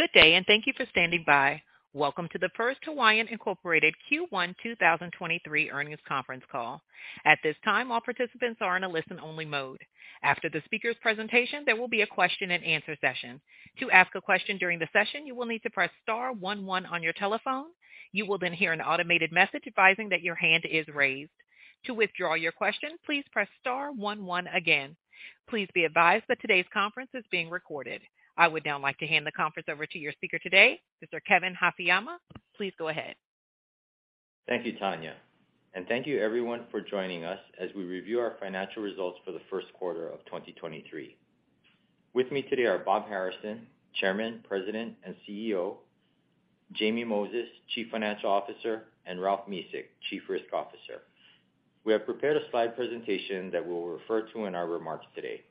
Good day, thank you for standing by. Welcome to the First Hawaiian, Inc. Q1 2023 earnings conference call. At this time, all participants are in a listen-only mode. After the speaker's presentation, there will be a question and answer session. To ask a question during the session, you will need to press star one one on your telephone. You will hear an automated message advising that your hand is raised. To withdraw your question, please press star one one again. Please be advised that today's conference is being recorded. I would now like to hand the conference over to your speaker today, Mr. Kevin Haseyama. Please go ahead. Thank you, Tanya. Thank you everyone for joining us as we review our financial results for the first quarter of 2023. With me today are Bob Harrison, Chairman, President, and CEO, Jamie Moses, Chief Financial Officer, and Ralph Mesick, Chief Risk Officer. We have prepared a slide presentation that we'll refer to in our remarks today.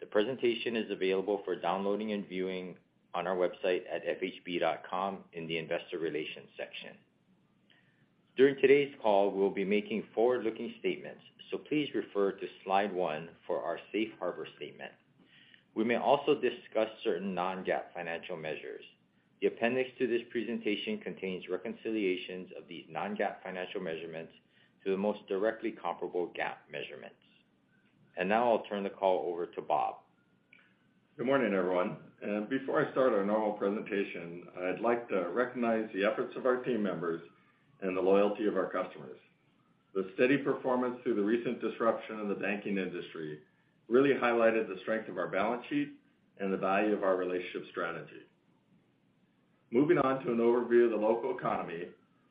The presentation is available for downloading and viewing on our website at fhb.com in the investor relations section. During today's call, we'll be making forward-looking statements, so please refer to slide 1 for our safe harbor statement. We may also discuss certain non-GAAP financial measures. The appendix to this presentation contains reconciliations of these non-GAAP financial measurements to the most directly comparable GAAP measurements. Now I'll turn the call over to Bob. Good morning, everyone. before I start our normal presentation, I'd like to recognize the efforts of our team members and the loyalty of our customers. The steady performance through the recent disruption in the banking industry really highlighted the strength of our balance sheet and the value of our relationship strategy. Moving on to an overview of the local economy,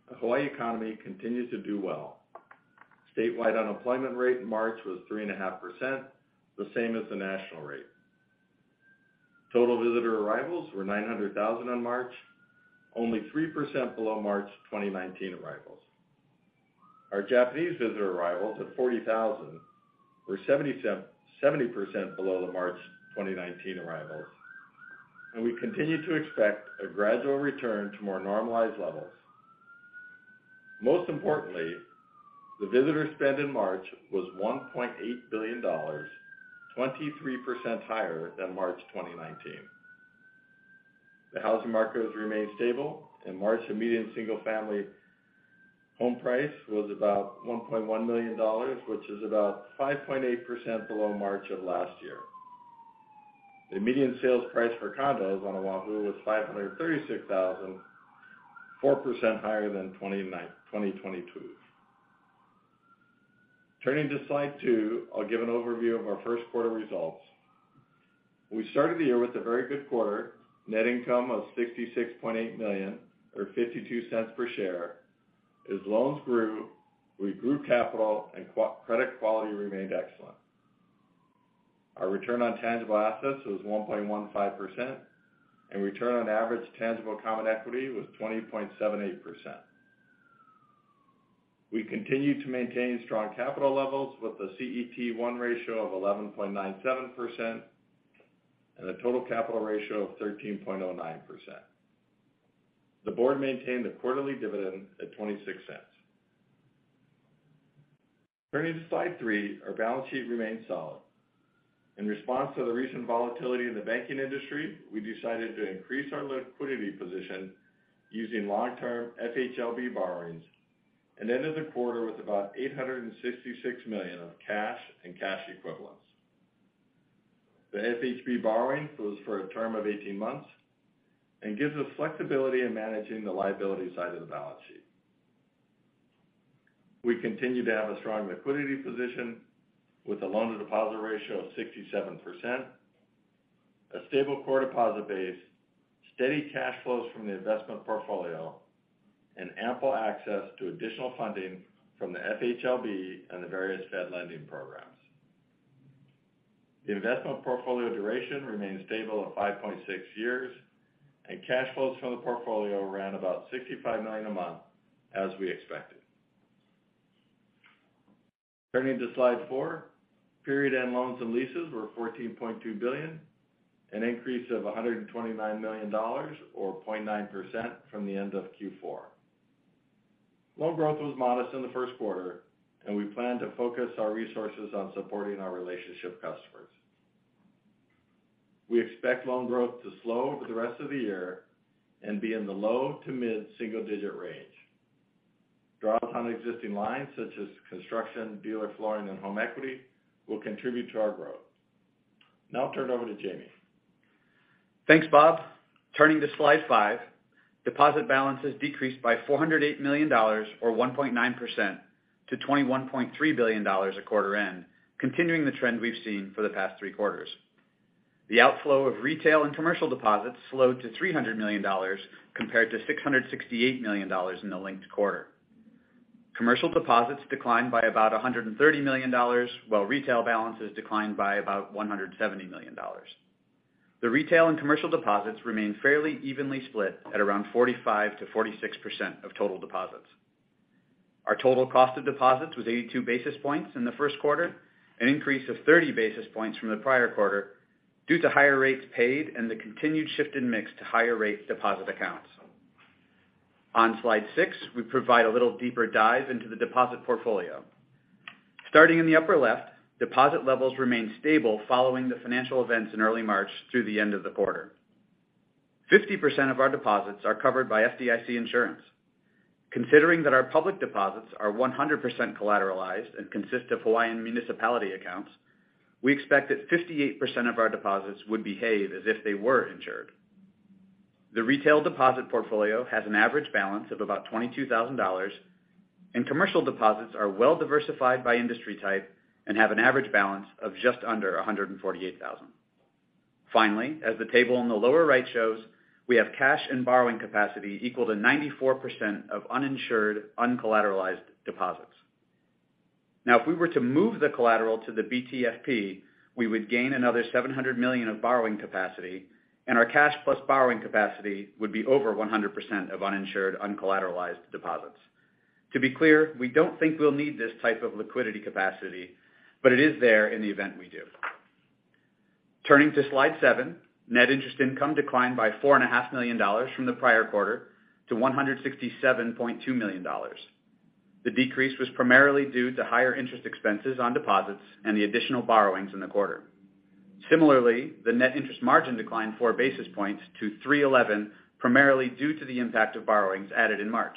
the Hawaii economy continues to do well. Statewide unemployment rate in March was 3.5%, the same as the national rate. Total visitor arrivals were 900,000 on March, only 3% below March 2019 arrivals. Our Japanese visitor arrivals at 40,000 were 70% below the March 2019 arrivals. We continue to expect a gradual return to more normalized levels. Most importantly, the visitor spend in March was $1.8 billion, 23% higher than March 2019. The housing market has remained stable. In March, the median single-family home price was about $1.1 million, which is about 5.8% below March of last year. The median sales price for condos on Oahu was $536,000, 4% higher than 2022. Turning to Slide 2, I'll give an overview of our first quarter results. We started the year with a very good quarter, net income of $66.8 million or $0.52 per share. As loans grew, we grew capital and credit quality remained excellent. Our return on tangible assets was 1.15%, and return on average tangible common equity was 20.78%. We continue to maintain strong capital levels with a CET1 ratio of 11.97% and a total capital ratio of 13.09%. The board maintained a quarterly dividend at $0.26. Turning to slide 3, our balance sheet remained solid. In response to the recent volatility in the banking industry, we decided to increase our liquidity position using long-term FHLB borrowings and ended the quarter with about $866 million of cash and cash equivalents. The FHB borrowings was for a term of 18 months and gives us flexibility in managing the liability side of the balance sheet. We continue to have a strong liquidity position with a loan-to-deposit ratio of 67%, a stable core deposit base, steady cash flows from the investment portfolio, ample access to additional funding from the FHLB and the various Fed lending programs. The investment portfolio duration remains stable at 5.6 years, and cash flows from the portfolio ran about $65 million a month as we expected. Turning to slide 4. Period end loans and leases were $14.2 billion, an increase of $129 million or 0.9% from the end of Q4. Loan growth was modest in the first quarter, and we plan to focus our resources on supporting our relationship customers. We expect loan growth to slow over the rest of the year and be in the low to mid-single-digit range. Draw down on existing lines such as construction, dealer flooring, and home equity will contribute to our growth. Now I'll turn it over to Jamie. Thanks, Bob. Turning to slide 5. Deposit balances decreased by $408 million or 1.9% to $21.3 billion a quarter end, continuing the trend we've seen for the past 3 quarters. The outflow of retail and commercial deposits slowed to $300 million compared to $668 million in the linked quarter. Commercial deposits declined by about $130 million while retail balances declined by about $170 million. The retail and commercial deposits remain fairly evenly split at around 45%-46% of total deposits. Our total cost of deposits was 82 basis points in the first quarter, an increase of 30 basis points from the prior quarter due to higher rates paid and the continued shift in mix to higher rate deposit accounts. On slide 6, we provide a little deeper dive into the deposit portfolio. Starting in the upper left, deposit levels remain stable following the financial events in early March through the end of the quarter. 50% of our deposits are covered by FDIC insurance. Considering that our public deposits are 100% collateralized and consist of Hawaiian municipality accounts, we expect that 58% of our deposits would behave as if they were insured. The retail deposit portfolio has an average balance of about $22,000, and commercial deposits are well diversified by industry type and have an average balance of just under $148,000. As the table on the lower right shows, we have cash and borrowing capacity equal to 94% of uninsured, uncollateralized deposits. If we were to move the collateral to the BTFP, we would gain another $700 million of borrowing capacity, and our cash plus borrowing capacity would be over 100% of uninsured, uncollateralized deposits. To be clear, we don't think we'll need this type of liquidity capacity, but it is there in the event we do. Turning to slide 7. Net interest income declined by four and a half million dollars from the prior quarter to $167.2 million. The decrease was primarily due to higher interest expenses on deposits and the additional borrowings in the quarter. The net interest margin declined 4 basis points to 3.11 primarily due to the impact of borrowings added in March.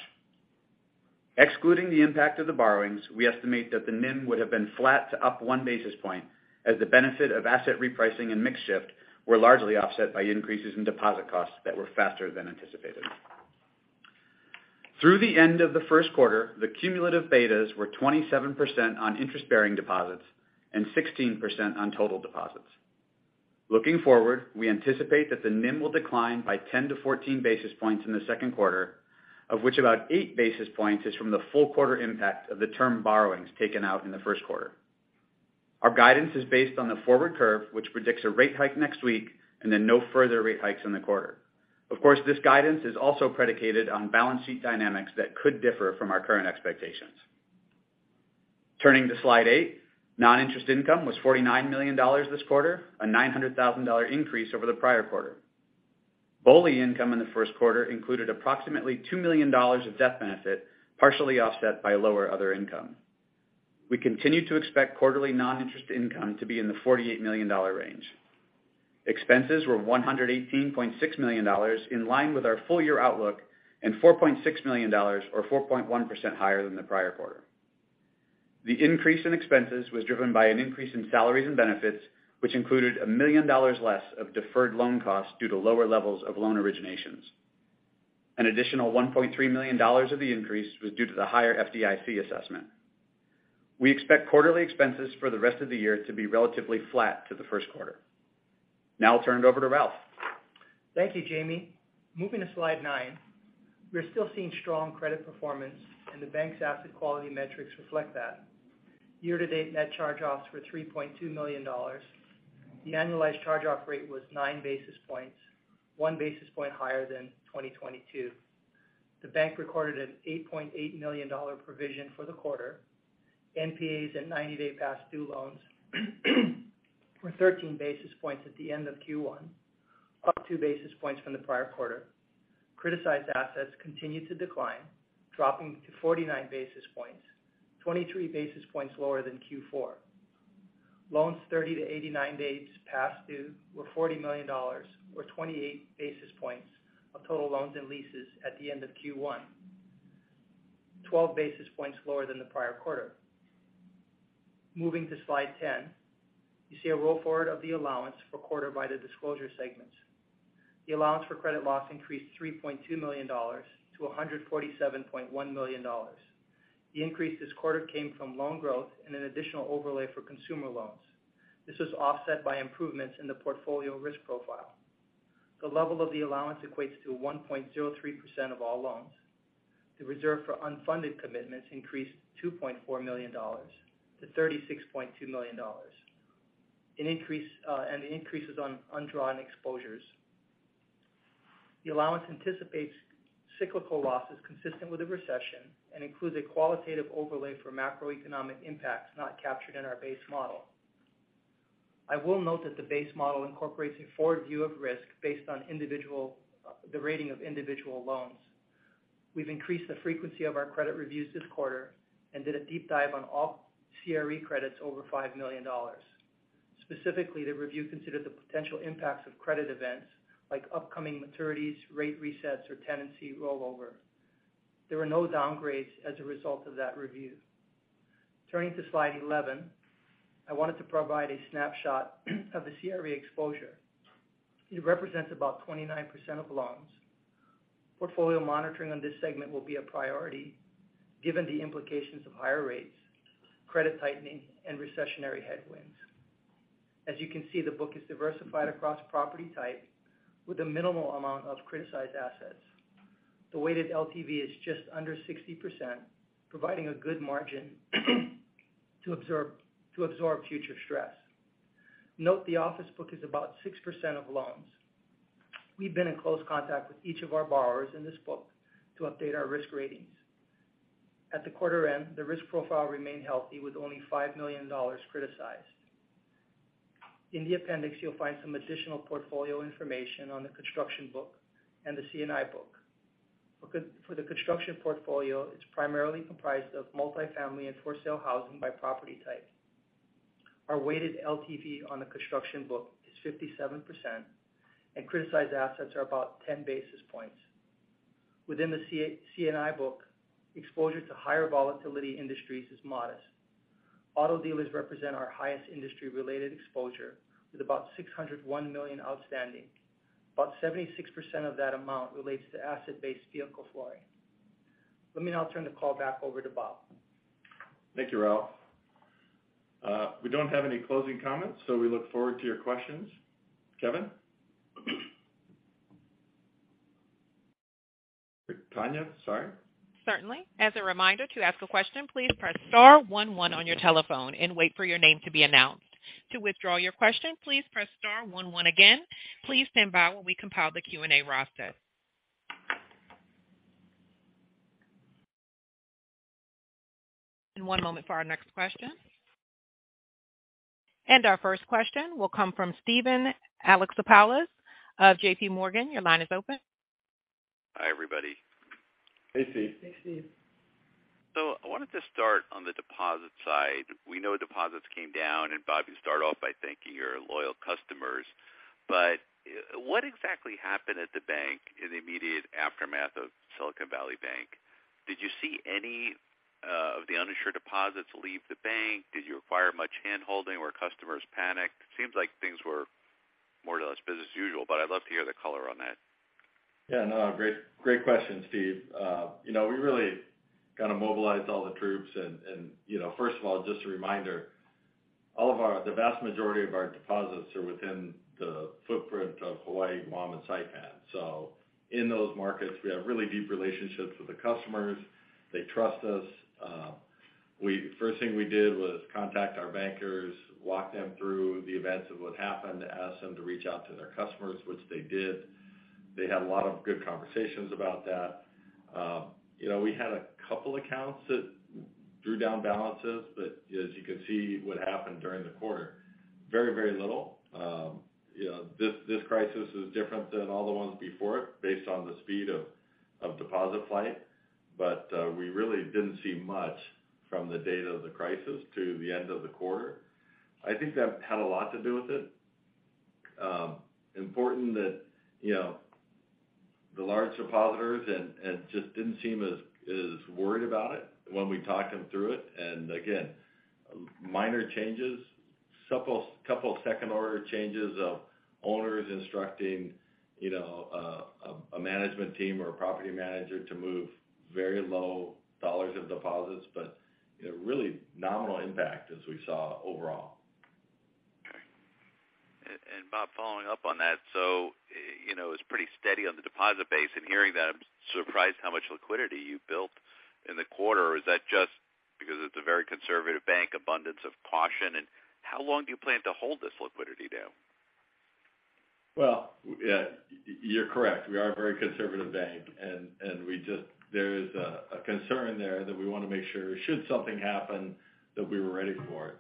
Excluding the impact of the borrowings, we estimate that the NIM would have been flat to up 1 basis point as the benefit of asset repricing and mix shift were largely offset by increases in deposit costs that were faster than anticipated. Through the end of the first quarter, the cumulative betas were 27% on interest-bearing deposits and 16% on total deposits. Looking forward, we anticipate that the NIM will decline by 10-14 basis points in the second quarter, of which about 8 basis points is from the full quarter impact of the term borrowings taken out in the first quarter. Our guidance is based on the forward curve, which predicts a rate hike next week and then no further rate hikes in the quarter. Of course, this guidance is also predicated on balance sheet dynamics that could differ from our current expectations. Turning to slide 8. Non-interest income was $49 million this quarter, a $900,000 increase over the prior quarter. BOLI income in the first quarter included approximately $2 million of death benefit, partially offset by lower other income. We continue to expect quarterly non-interest income to be in the $48 million range. Expenses were $118.6 million in line with our full year outlook and $4.6 million or 4.1% higher than the prior quarter. The increase in expenses was driven by an increase in salaries and benefits, which included $1 million less of deferred loan costs due to lower levels of loan originations. Additional $1.3 million of the increase was due to the higher FDIC assessment. We expect quarterly expenses for the rest of the year to be relatively flat to the first quarter. Now I'll turn it over to Ralph. Thank you, Jamie. Moving to slide 9. We're still seeing strong credit performance and the bank's asset quality metrics reflect that. Year-to-date net charge-offs were $3.2 million. The annualized charge-off rate was 9 basis points, 1 basis point higher than 2022. The bank recorded an $8.8 million provision for the quarter. NPAs and 90-day past due loans were 13 basis points at the end of Q1, up 2 basis points from the prior quarter. Criticized assets continued to decline, dropping to 49 basis points, 23 basis points lower than Q4. Loans 30-89 days past due were $40 million or 28 basis points of total loans and leases at the end of Q1. 12 basis points lower than the prior quarter. Moving to slide 10. You see a roll forward of the allowance for quarter by the disclosure segments. The allowance for credit loss increased $3.2 million to $147.1 million. The increase this quarter came from loan growth and an additional overlay for consumer loans. This was offset by improvements in the portfolio risk profile. The level of the allowance equates to 1.03% of all loans. The reserve for unfunded commitments increased $2.4 million to $36.2 million. The increases on undrawn exposures. The allowance anticipates cyclical losses consistent with the recession and includes a qualitative overlay for macroeconomic impacts not captured in our base model. I will note that the base model incorporates a forward view of risk based on the rating of individual loans. We've increased the frequency of our credit reviews this quarter and did a deep dive on all CRE credits over $5 million. Specifically, the review considered the potential impacts of credit events like upcoming maturities, rate resets, or tenancy rollover. There were no downgrades as a result of that review. Turning to slide 11. I wanted to provide a snapshot of the CRE exposure. It represents about 29% of loans. Portfolio monitoring on this segment will be a priority given the implications of higher rates, credit tightening, and recessionary headwinds. As you can see, the book is diversified across property type with a minimal amount of criticized assets. The weighted LTV is just under 60%, providing a good margin to absorb future stress. Note the office book is about 6% of loans. We've been in close contact with each of our borrowers in this book to update our risk ratings. At the quarter end, the risk profile remained healthy with only $5 million criticized. In the appendix, you'll find some additional portfolio information on the construction book and the C&I book. For the construction portfolio, it's primarily comprised of multifamily and for-sale housing by property type. Our weighted LTV on the construction book is 57%, and criticized assets are about 10 basis points. Within the C&I book, exposure to higher volatility industries is modest. Auto dealers represent our highest industry-related exposure with about $601 million outstanding. About 76% of that amount relates to asset-based vehicle flooring. Let me now turn the call back over to Bob. Thank you, Ralph. We don't have any closing comments. We look forward to your questions. Kevin. Tanya, sorry. Certainly. As a reminder, to ask a question, please press star one one on your telephone and wait for your name to be announced. To withdraw your question, please press star one one again. Please stand by while we compile the Q&A roster. One moment for our next question. Our first question will come from Steven Alexopoulos of J.P. Morgan. Your line is open. Hi, everybody. Hey, Steve. Hey, Steve. I wanted to start on the deposit side. We know deposits came down, and Bob, you start off by thanking your loyal customers, but what exactly happened at the bank in the immediate aftermath of Silicon Valley Bank? Did you see any of the uninsured deposits leave the bank? Did you require much handholding or customers panicked? It seems like things were more or less business as usual, but I'd love to hear the color on that. No, great question, Steve. you know, we really kind of mobilized all the troops and you know, first of all, just a reminder, the vast majority of our deposits are within the footprint of Hawaii, Guam, and Saipan. In those markets, we have really deep relationships with the customers. They trust us. first thing we did was contact our bankers, walk them through the events of what happened, ask them to reach out to their customers, which they did. They had a lot of good conversations about that. you know, we had a couple accounts that drew down balances, but as you can see what happened during the quarter, very, very little. you know, this crisis is different than all the ones before it, based on the speed of deposit flight. We really didn't see much from the date of the crisis to the end of the quarter. I think that had a lot to do with it. Important that, you know, the large depositors and just didn't seem as worried about it when we talked them through it. Minor changes. Couple second order changes of owners instructing, you know, a management team or a property manager to move very low dollars of deposits. You know, really nominal impact as we saw overall. Okay. Bob, following up on that, so, you know, it's pretty steady on the deposit base, and hearing that, I'm surprised how much liquidity you built in the quarter. Is that just because it's a very conservative bank, abundance of caution? How long do you plan to hold this liquidity down? Well, yeah, you're correct. We are a very conservative bank, and we just there is a concern there that we want to make sure should something happen, that we were ready for it.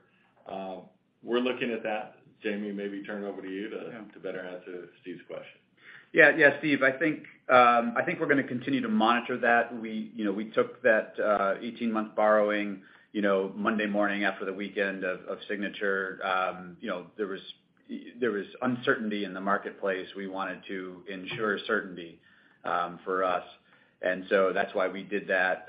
We're looking at that. Jamie, maybe turn it over to you. Yeah. To better answer Steve's question. Yeah. Yeah, Steve, I think, I think we're going to continue to monitor that. We, you know, we took that 18-month borrowing, you know, Monday morning after the weekend of Signature. You know, there was uncertainty in the marketplace. We wanted to ensure certainty for us. That's why we did that.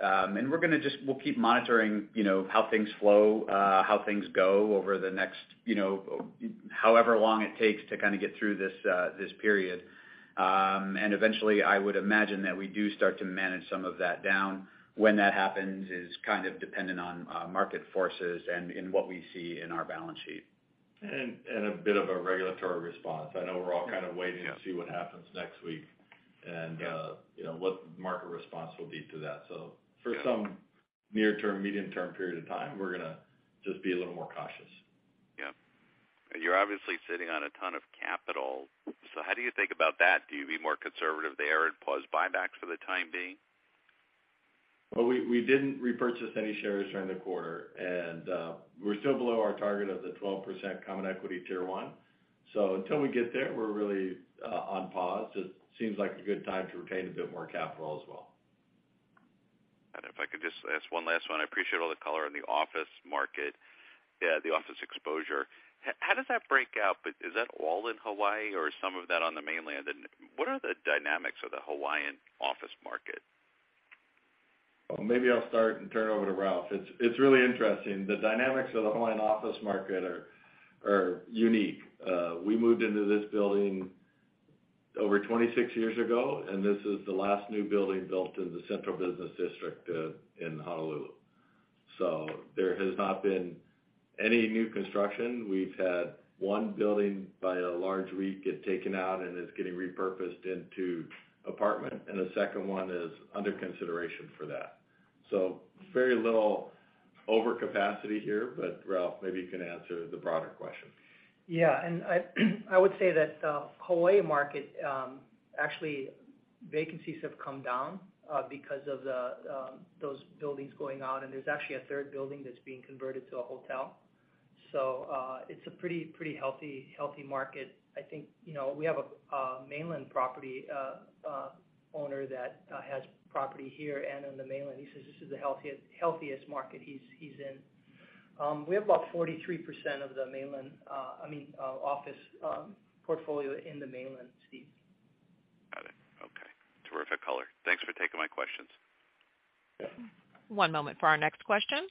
We'll keep monitoring, you know, how things flow, how things go over the next, you know, however long it takes to kind of get through this period. Eventually, I would imagine that we do start to manage some of that down. When that happens is kind of dependent on market forces and in what we see in our balance sheet. A bit of a regulatory response. I know we're all kind of. Yeah. To see what happens next week and. Yeah. You know, what market response will be to that. Yeah. For some near-term, medium-term period of time, we're going to just be a little more cautious. Yeah. You're obviously sitting on a ton of capital. How do you think about that? Do you be more conservative there and pause buybacks for the time being? Well, we didn't repurchase any shares during the quarter. We're still below our target of the 12% Common Equity Tier 1. Until we get there, we're really on pause. It seems like a good time to retain a bit more capital as well. If I could just ask one last one. I appreciate all the color in the office market. Yeah, the office exposure. How does that break out? Is that all in Hawaii or some of that on the mainland? What are the dynamics of the Hawaiian office market? Maybe I'll start and turn it over to Ralph. It's really interesting. The dynamics of the Hawaiian office market are unique. We moved into this building over 26 years ago, and this is the last new building built in the central business district in Honolulu. There has not been any new construction. We've had 1 building by a large REIT get taken out and is getting repurposed into apartment, and a second one is under consideration for that. Very little overcapacity here, but Ralph, maybe you can answer the broader question. Yeah. I would say that the Hawaii market, actually. Vacancies have come down because of the those buildings going out, and there's actually a third building that's being converted to a hotel. It's a pretty healthy market. I think, you know, we have a mainland property owner that has property here and in the mainland. He says this is the healthiest market he's in. We have about 43% of the mainland, I mean, office portfolio in the mainland, Steve. Got it. Okay. Terrific color. Thanks for taking my questions. One moment for our next question.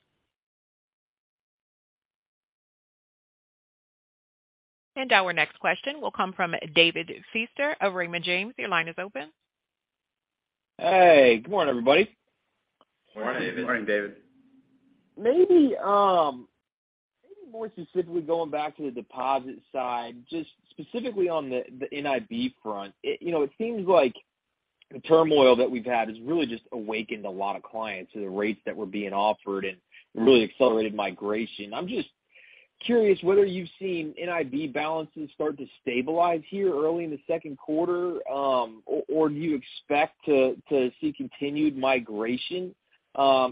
Our next question will come from David Feaster of Raymond James. Your line is open. Hey, good morning, everybody. Morning, David. Morning, David. Maybe, maybe more specifically going back to the deposit side, just specifically on the NIB front. It, you know, it seems like the turmoil that we've had has really just awakened a lot of clients to the rates that were being offered and really accelerated migration. I'm just curious whether you've seen NIB balances start to stabilize here early in the second quarter, or do you expect to see continued migration? How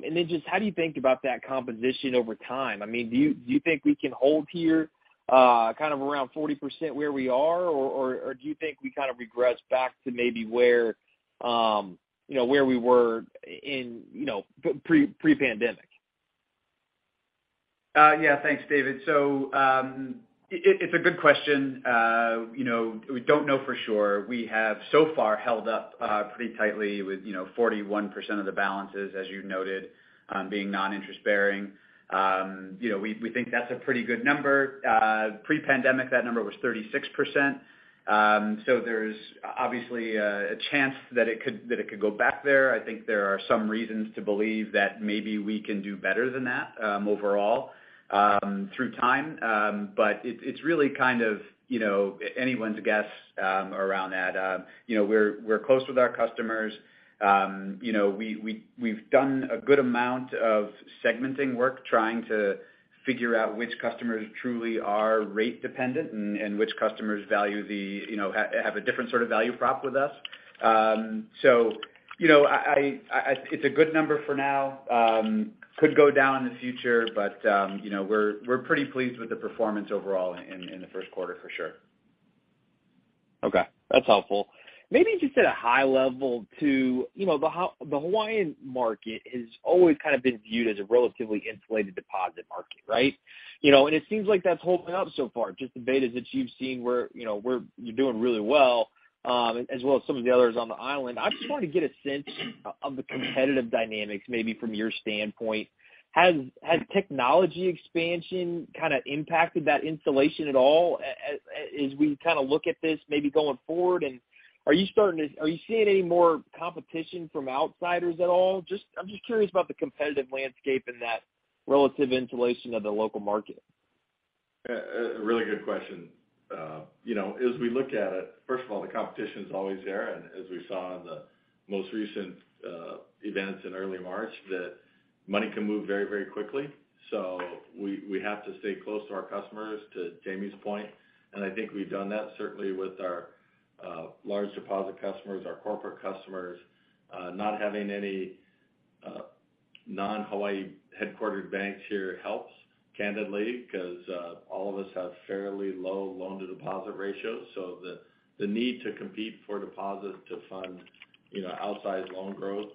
do you think about that composition over time? I mean, do you think we can hold here, kind of around 40% where we are, or do you think we kind of regress back to maybe where, you know, where we were in, you know, pre-pandemic? Yeah. Thanks, David. It's a good question. You know, we don't know for sure. We have so far held up pretty tightly with, you know, 41% of the balances, as you noted, being non-interest bearing. You know, we think that's a pretty good number. Pre-pandemic, that number was 36%. There's obviously a chance that it could go back there. I think there are some reasons to believe that maybe we can do better than that overall through time. It's really kind of, you know, anyone's guess around that. You know, we're close with our customers. You know, we've done a good amount of segmenting work trying to figure out which customers truly are rate dependent and which customers value the, you know, have a different sort of value prop with us. You know, it's a good number for now. Could go down in the future, but, you know, we're pretty pleased with the performance overall in the first quarter for sure. Okay, that's helpful. Maybe just at a high level to, you know, the Hawaiian market has always kind of been viewed as a relatively insulated deposit market, right? It seems like that's holding up so far. Just the betas that you've seen where, you know, we're doing really well, as well as some of the others on the island. I just want to get a sense of the competitive dynamics maybe from your standpoint. Has technology expansion kinda impacted that insulation at all as we kind of look at this maybe going forward? Are you seeing any more competition from outsiders at all? I'm just curious about the competitive landscape and that relative insulation of the local market. A really good question. You know, as we look at it, first of all, the competition is always there. As we saw in the most recent events in early March, that money can move very, very quickly. We have to stay close to our customers, to Jamie's point. I think we've done that certainly with our large deposit customers, our corporate customers. Not having any non-Hawaii headquartered banks here helps, candidly, because all of us have fairly low loan to deposit ratios. The need to compete for deposits to fund, you know, outsized loan growth,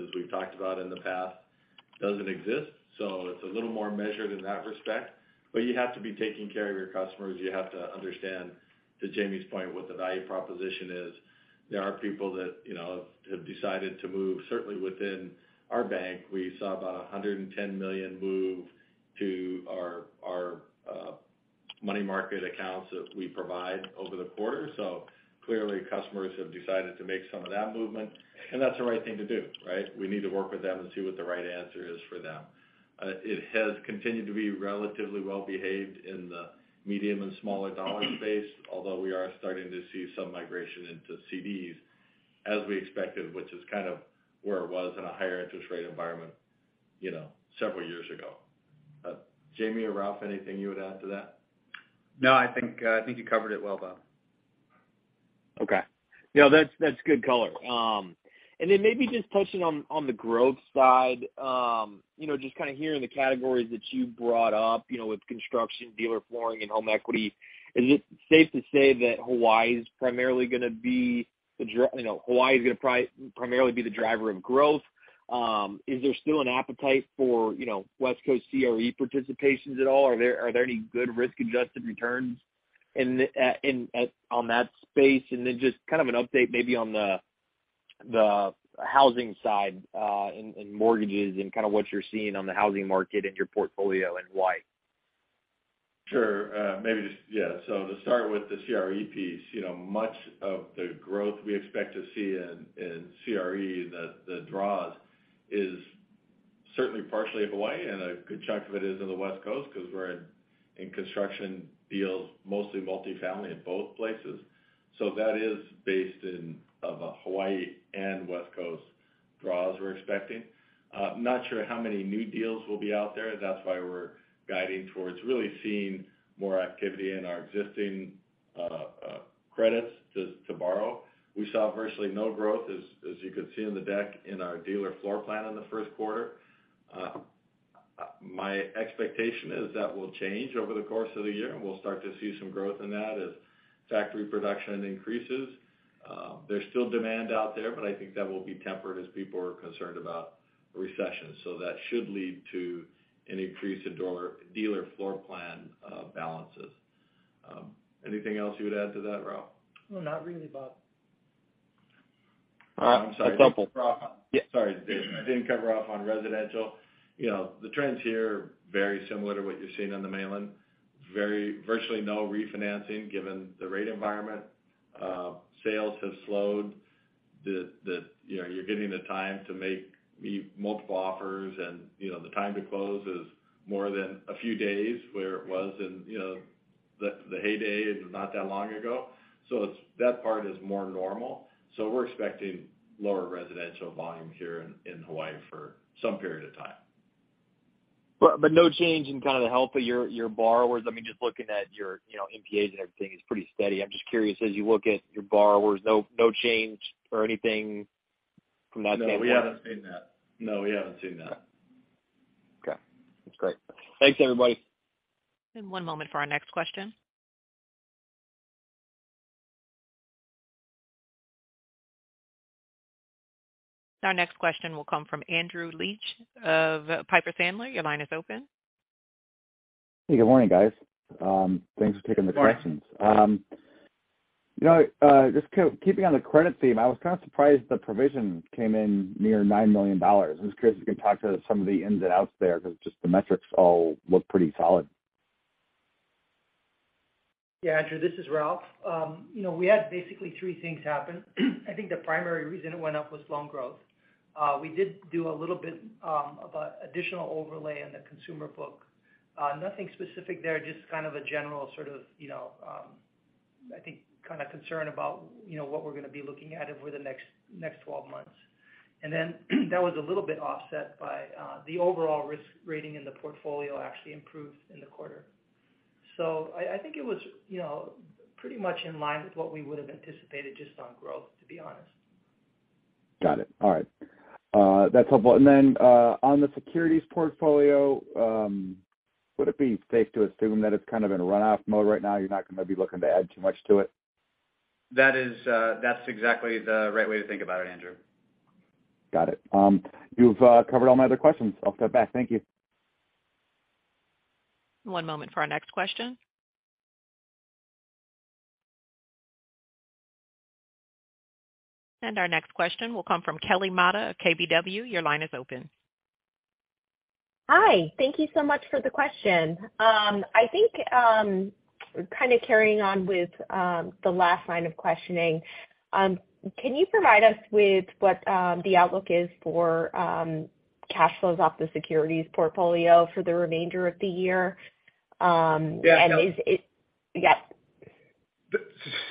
as we've talked about in the past, doesn't exist. It's a little more measured in that respect. You have to be taking care of your customers. You have to understand, to Jamie's point, what the value proposition is. There are people that, you know, have decided to move. Certainly within our bank, we saw about $110 million move to our money market accounts that we provide over the quarter. Clearly, customers have decided to make some of that movement, and that's the right thing to do, right? We need to work with them and see what the right answer is for them. It has continued to be relatively well behaved in the medium and smaller dollar space, although we are starting to see some migration into CDs as we expected, which is kind of where it was in a higher interest rate environment, you know, several years ago. Jamie or Ralph, anything you would add to that? No, I think, I think you covered it well, Bob. Okay. No, that's good color. Then maybe just touching on the growth side, you know, just kind of hearing the categories that you brought up, you know, with construction, dealer flooring and home equity. Is it safe to say that Hawaii is primarily gonna be the driver of growth? Is there still an appetite for, you know, West Coast CRE participations at all? Are there any good risk-adjusted returns in, on that space? Then just kind of an update maybe on the housing side, and mortgages and kind of what you're seeing on the housing market and your portfolio and why? Sure. Yeah. To start with the CRE piece, you know, much of the growth we expect to see in CRE, the draws is certainly partially Hawaii and a good chunk of it is in the West Coast because we're in construction deals, mostly multifamily in both places. That is based in Hawaii and West Coast. draw as we're expecting. Not sure how many new deals will be out there. That's why we're guiding towards really seeing more activity in our existing credits to borrow. We saw virtually no growth, as you could see in the deck, in our dealer floor plan in the first quarter. My expectation is that will change over the course of the year, and we'll start to see some growth in that as factory production increases. There's still demand out there, but I think that will be tempered as people are concerned about a recession. That should lead to an increase in dealer floor plan balances. Anything else you would add to that, Ralph? No, not really, Bob. I'm sorry. A c uple. Sorry. I didn't cover off on residential. You know, the trends here are very similar to what you're seeing on the mainland. Virtually no refinancing given the rate environment. Sales have slowed. The, you know, you're getting the time to make multiple offers and, you know, the time to close is more than a few days where it was in, you know, the heyday and not that long ago. It's that part is more normal. We're expecting lower residential volume here in Hawaii for some period of time. No change in kind of the health of your borrowers? I mean, just looking at your, you know, NPAs and everything is pretty steady. I'm just curious, as you look at your borrowers, no change or anything from that standpoint? No, we haven't seen that. Okay. That's great. Thanks, everybody. One moment for our next question. Our next question will come from Andrew Liesch of Piper Sandler. Your line is open. Hey, good morning, guys. Thanks for taking the questions. Good morning. You know, just keeping on the credit theme, I was kind of surprised the provision came in near $9 million. I was curious if you could talk to some of the ins and outs there because just the metrics all look pretty solid. Yeah, Andrew. This is Ralph. you know, we had basically three things happen. I think the primary reason it went up was loan growth. we did do a little bit of additional overlay in the consumer book. nothing specific there, just kind of a general sort of, you know, I think kind of concern about, you know, what we're going to be looking at over the next 12 months. that was a little bit offset by the overall risk rating in the portfolio actually improved in the quarter. I think it was, you know, pretty much in line with what we would have anticipated just on growth, to be honest. Got it. All right. That's helpful. On the securities portfolio, would it be safe to assume that it's kind of in runoff mode right now, you're not going to be looking to add too much to it? That is, that's exactly the right way to think about it, Andrew. Got it. You've covered all my other questions. I'll step back. Thank you. One moment for our next question. Our next question will come from Kelly Motta of KBW. Your line is open. Hi. Thank you so much for the question. I think, kind of carrying on with, the last line of questioning, can you provide us with what, the outlook is for, cash flows off the securities portfolio for the remainder of the year? Yeah. Yes.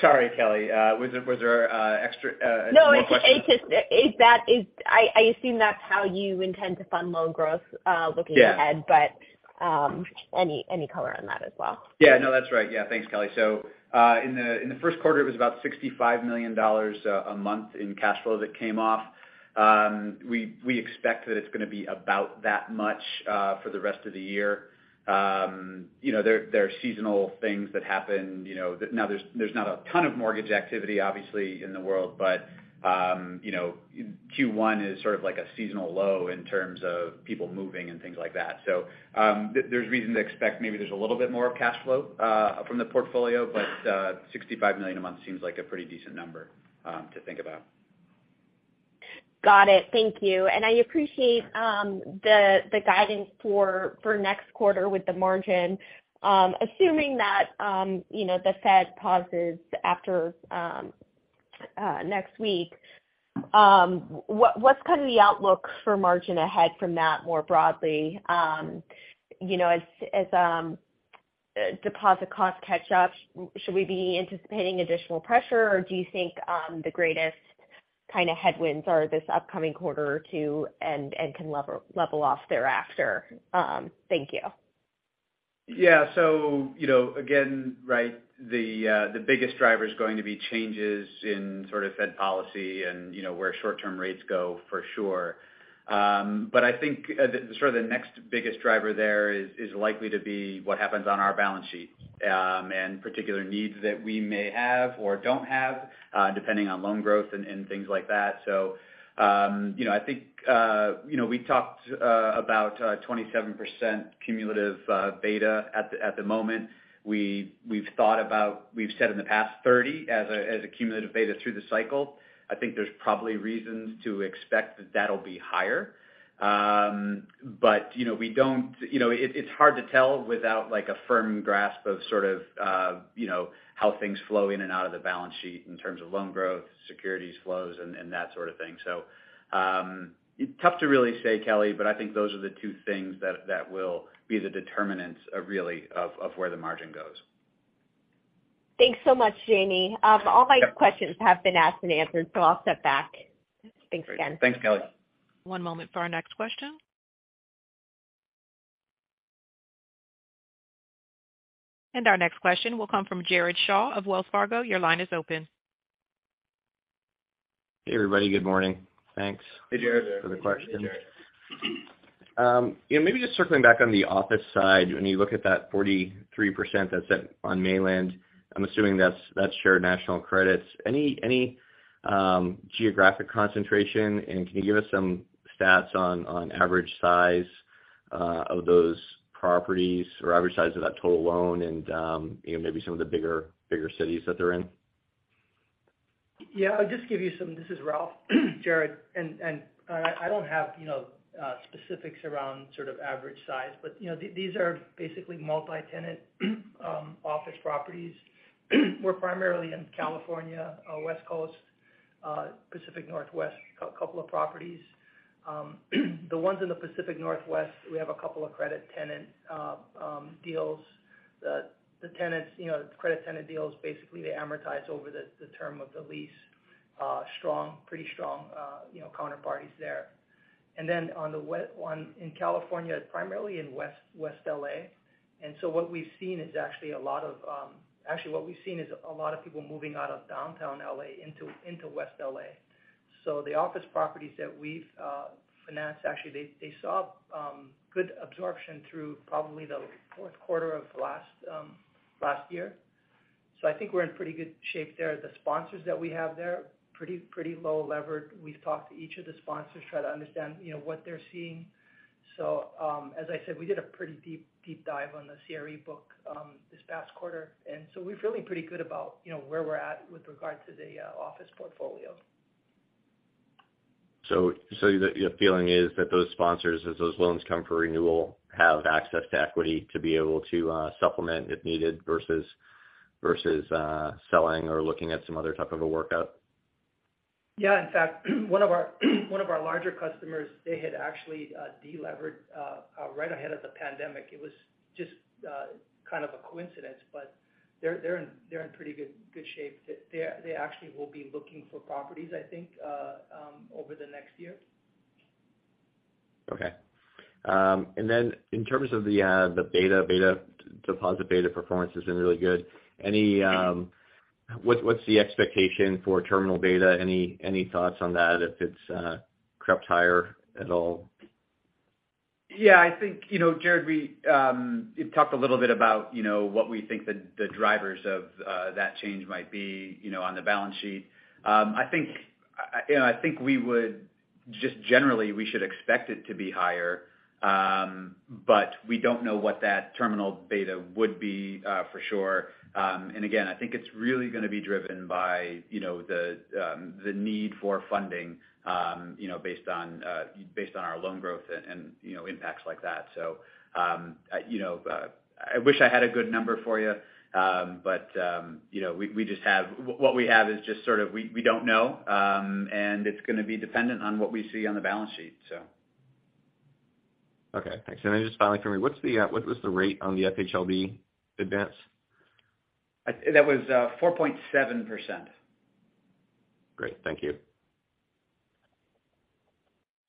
Sorry, Kelly. Was there extra more questions? No, it's just I assume that's how you intend to fund loan growth, looking ahead. Yeah. Any, any color on that as well? No, that's right. Thanks, Kelly. In the first quarter, it was about $65 million a month in cash flow that came off. We expect that it's going to be about that much for the rest of the year. You know, there are seasonal things that happen, you know, that now there's not a ton of mortgage activity, obviously, in the world. You know, Q1 is sort of like a seasonal low in terms of people moving and things like that. There's reason to expect maybe there's a little bit more cash flow from the portfolio. $65 million a month seems like a pretty decent number to think about. Got it. Thank you. I appreciate the guidance for next quarter with the margin. Assuming that, you know, the Fed pauses after next week, what's kind of the outlook for margin ahead from that more broadly? You know, as deposit costs catch up, should we be anticipating additional pressure, or do you think the greatest kind of headwinds are this upcoming quarter or two and can level off thereafter? Thank you. Yeah. you know, again, right, the biggest driver is going to be changes in sort of Fed policy and, you know, where short-term rates go for sure. I think the sort of the next biggest driver there is likely to be what happens on our balance sheet and particular needs that we may have or don't have depending on loan growth and things like that. you know, I think, you know, we talked about 27% cumulative beta at the moment. We've thought about, we've said in the past 30 as a cumulative beta through the cycle. I think there's probably reasons to expect that that'll be higher. you know, we don't... You know, it's hard to tell without like a firm grasp of sort of, you know, how things flow in and out of the balance sheet in terms of loan growth, securities flows, and that sort of thing. Tough to really say, Kelly, but I think those are the two things that will be the determinants really of where the margin goes. Thanks so much, Jamie. All my questions have been asked and answered, so I'll step back. Thanks again. Thanks, Kelly. One moment for our next question. Our next question will come from Jared Shaw of Wells Fargo. Your line is open. Hey, everybody. Good morning. Hey, Jared. -for the question. Hey, Jared. You know, maybe just circling back on the office side, when you look at that 43% on mainland, I'm assuming that's your national credits. Any geographic concentration? Can you give us some stats on average size of those properties or average size of that total loan and, you know, maybe some of the bigger cities that they're in? Yeah, I'll just give you some. This is Ralph. Jared, and I don't have, you know, specifics around sort of average size, but, you know, these are basically multi-tenant office properties. We're primarily in California, West Coast, Pacific Northwest, two properties. The ones in the Pacific Northwest, we have two credit tenant deals. The tenants, you know, the credit tenant deals, basically they amortize over the term of the lease. Strong, pretty strong, you know, counterparties there. Then on in California, primarily in West L.A. What we've seen is actually a lot of people moving out of downtown L.A. into West L.A. The office properties that we've financed, actually they saw good absorption through probably the fourth quarter of last year. I think we're in pretty good shape there. The sponsors that we have there, pretty low levered. We've talked to each of the sponsors, try to understand, you know, what they're seeing. As I said, we did a pretty deep dive on the CRE book this past quarter, we're feeling pretty good about, you know, where we're at with regard to the office portfolio. Your feeling is that those sponsors, as those loans come for renewal, have access to equity to be able to supplement if needed versus selling or looking at some other type of a workout? Yeah. In fact, one of our larger customers, they had actually de-levered right ahead of the pandemic. It was just kind of a coincidence, but they're in pretty good shape. They actually will be looking for properties, I think, over the next year. Okay. In terms of the beta deposit, beta performance has been really good. Any... What's the expectation for terminal beta? Any thoughts on that, if it's crept higher at all? Yeah, I think, you know, Jared, we talked a little bit about, you know, what we think the drivers of that change might be, you know, on the balance sheet. I think, you know, I think we would just generally we should expect it to be higher. We don't know what that terminal beta would be for sure. Again, I think it's really gonna be driven by, you know, the need for funding, you know, based on based on our loan growth and, you know, impacts like that. I wish I had a good number for you. You know, we just have... What we have is just sort of we don't know. It's gonna be dependent on what we see on the balance sheet. Okay. Thanks. Then just finally for me, what's the what was the rate on the FHLB advance? That was 4.7%. Great. Thank you.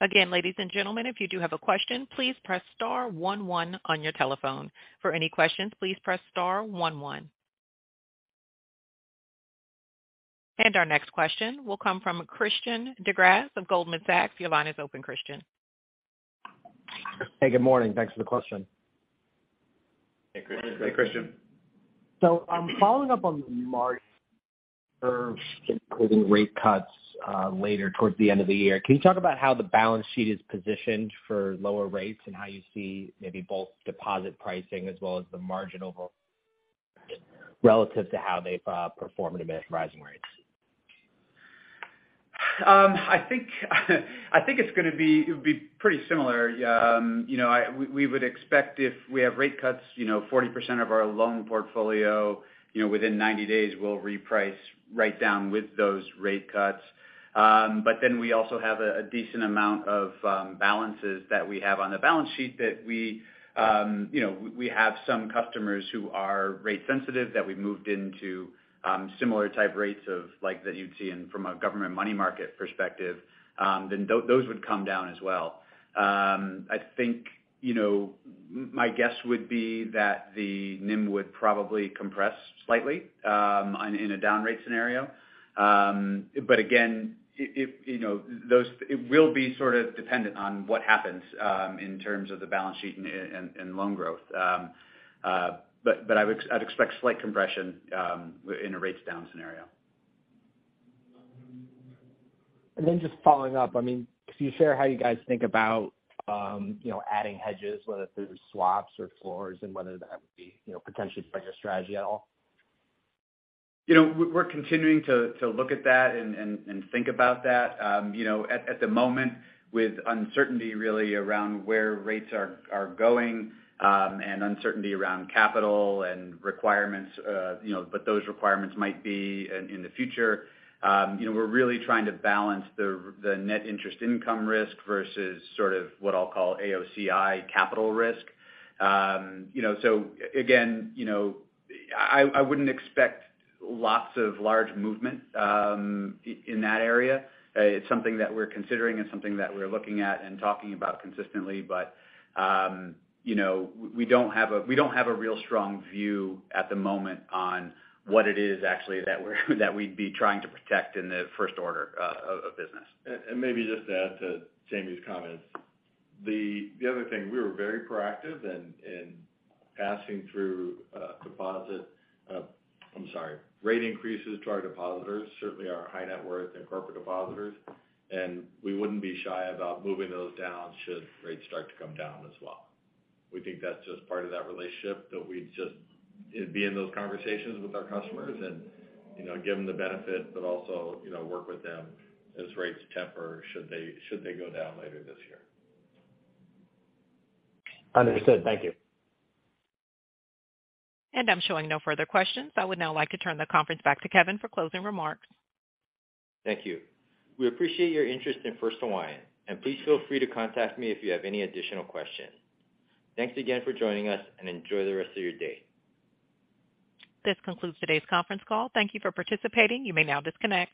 Again, ladies and gentlemen, if you do have a question, please press star one one on your telephone. For any questions, please press star one one. Our next question will come from Christian Degrace of Goldman Sachs. Your line is open, Christian. Hey, good morning. Thanks for the question. Hey, Christian. Good morning. Hey, Christian. Following up on the market curves including rate cuts later towards the end of the year, can you talk about how the balance sheet is positioned for lower rates and how you see maybe both deposit pricing as well as the marginal costs relative to how they've performed amidst rising rates? I think, I think it's gonna be, it would be pretty similar. You know, we would expect if we have rate cuts, you know, 40% of our loan portfolio, you know, within 90 days will reprice right down with those rate cuts. We also have a decent amount of balances that we have on the balance sheet that we, you know, we have some customers who are rate sensitive that we've moved into similar type rates of like that you'd see in from a government money market perspective, then those would come down as well. I think, you know, my guess would be that the NIM would probably compress slightly in a down rate scenario. Again, if, you know, those it will be sort of dependent on what happens in terms of the balance sheet and loan growth. I'd expect slight compression in a rates down scenario. Just following up, I mean, could you share how you guys think about, you know, adding hedges, whether through swaps or floors and whether that would be, you know, potentially part of your strategy at all? You know, we're continuing to look at that and think about that. You know, at the moment with uncertainty really around where rates are going, and uncertainty around capital and requirements, you know, those requirements might be in the future. You know, we're really trying to balance the net interest income risk versus sort of what I'll call AOCI capital risk. You know, so again, you know, I wouldn't expect lots of large movement in that area. It's something that we're considering and something that we're looking at and talking about consistently. You know, we don't have a real strong view at the moment on what it is actually that we'd be trying to protect in the first order of business. Maybe just to add to Jamie's comments. The other thing, we were very proactive in passing through, I'm sorry, rate increases to our depositors, certainly our high net worth and corporate depositors, and we wouldn't be shy about moving those down should rates start to come down as well. We think that's just part of that relationship, that we'd just, you know, be in those conversations with our customers and, you know, give them the benefit, but also, you know, work with them as rates temper should they go down later this year. Understood. Thank you. I'm showing no further questions. I would now like to turn the conference back to Kevin for closing remarks. Thank you. We appreciate your interest in First Hawaiian, and please feel free to contact me if you have any additional questions. Thanks again for joining us and enjoy the rest of your day. This concludes today's conference call. Thank you for participating. You may now disconnect.